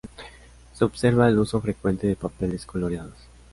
Se observa el uso frecuente de papeles coloreados.